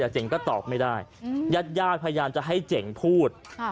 แต่เจ๋งก็ตอบไม่ได้ญาติพยายามจะให้เจ๋งพูด